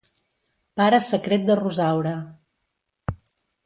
Pare secret de Rosaura.